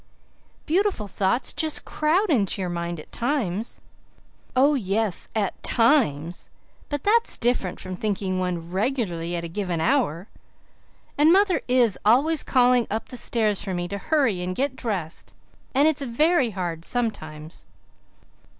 "Beautiful thoughts just crowd into your mind at times." "Oh, yes, AT TIMES. But that's different from thinking one REGULARLY at a given hour. And mother is always calling up the stairs for me to hurry up and get dressed, and it's VERY hard sometimes."